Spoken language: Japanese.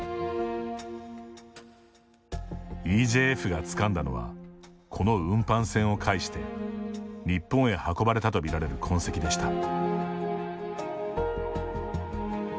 ＥＪＦがつかんだのはこの運搬船を介して日本へ運ばれたとみられる痕跡でした。